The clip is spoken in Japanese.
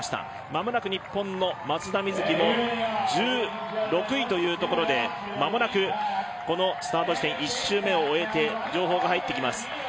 まもなく日本の松田瑞生も１６位というところで間もなくスタート地点１周目を終えて情報が入ってきます。